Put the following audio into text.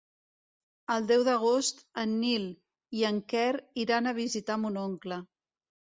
El deu d'agost en Nil i en Quer iran a visitar mon oncle.